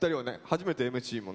初めてＭＣもね。